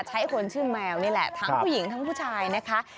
ใช้คนชื่อแมวนี่แหละทั้งผู้หญิงทั้งผู้ชายนะคะ